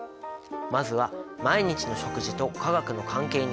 まずは毎日の食事と化学の関係について。